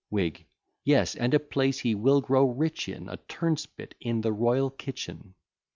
WHIG. Yes, and a place he will grow rich in; A turnspit in the royal kitchen.